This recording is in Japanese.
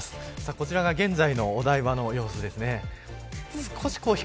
こちらが現在のお台場の様子です。